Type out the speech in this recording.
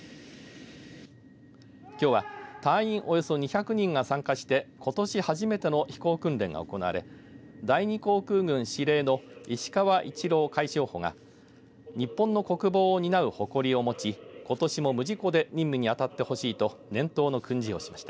きょうは隊員およそ２００人が参加してことし初めての飛行訓練が行われ第２航空群司令の石川一郎海将捕が日本の国防を担う誇りを持ちことしも無事故で任務に当たってほしいと年頭の訓示をしました。